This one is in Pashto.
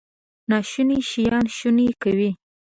ناشوني شیان شوني کوي.